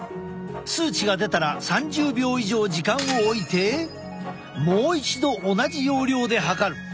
数値が出たら３０秒以上時間をおいてもう一度同じ要領で測る。